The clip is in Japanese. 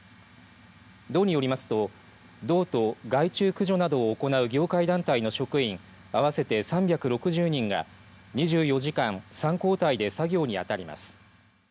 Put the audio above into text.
道によりますと道と害虫駆除などを行う業界団体の職員合わせて３６０人が２４時間３交代で作業に当たります。